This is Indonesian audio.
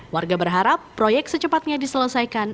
warga berharap proyek secepatnya diselesaikan